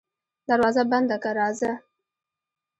دروازه بنده که راځه.